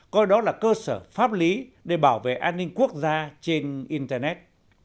coi đó là cơ sở pháp lý để bảo vệ an ninh quốc gia trên internet